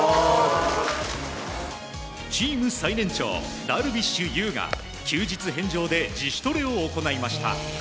チーム最年長、ダルビッシュ有が休日返上で自主トレを行いました。